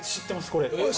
これ。